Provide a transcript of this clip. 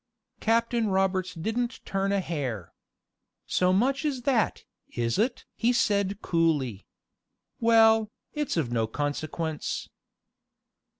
Captain Roberts didn't turn a hair. "So much as that, is it?" he said coolly. "Well, it's of no consequence."